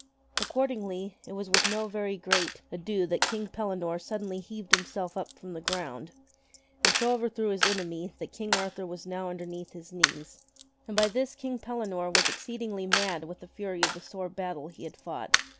Accordingly, it was with no very great KING ARTHUR IS WOUNDED 59 ado that King Pellinore suddenly heaved himself up from the ground and so overthrew his enemy that King Arthur was now underneath his knees. And by this King Pellinore was exceedingly mad with the fury of the sore battle he had fought.